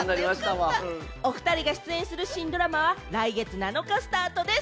お２人が出演する新ドラマは来月７日スタートです。